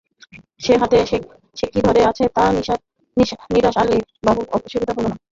সে হাতে সে কী ধরে আছে তা নিসার আলির বুঝতে অসুবিধা হলো না।